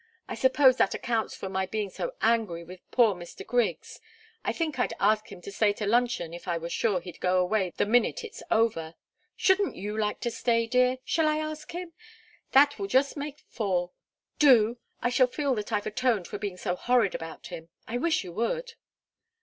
I suppose that accounts for my being so angry with poor Mr. Griggs. I think I'd ask him to stay to luncheon if I were sure he'd go away the minute it's over. Shouldn't you like to stay, dear? Shall I ask him? That will just make four. Do! I shall feel that I've atoned for being so horrid about him. I wish you would!"